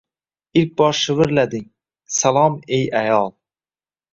Ilk bor shivirlading: Salom, ey ayol!